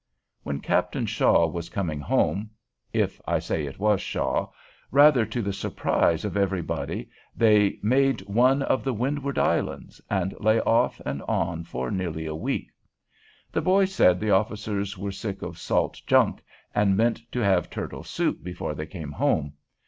When Captain Shaw was coming home, if, as I say, it was Shaw, rather to the surprise of everybody they made one of the Windward Islands, and lay off and on for nearly a week. The boys said the officers were sick of salt junk, and meant to have turtle soup before they came home.